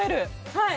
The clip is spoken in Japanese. はい！